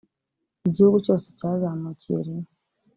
igihugu cyose cyazamukiye rimwe